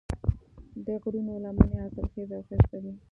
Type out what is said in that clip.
د غرونو لمنې حاصلخیزې او ښایسته دي.